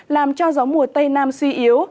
làm cho gió mùa tây nam suy yếu